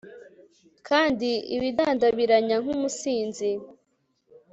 kandi ibadandabiranya nk umusinzi